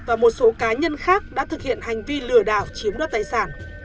và một số cá nhân khác đã thực hiện hành vi lừa đảo chiếm đoạt tài sản